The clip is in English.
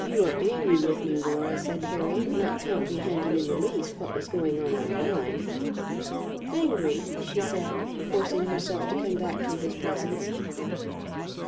"You are angry with me, Laura," said Harry, not comprehending in the least what was going on in her mind. "Angry?" she said, forcing herself to come back to his presence.